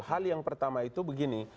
hal yang pertama itu begini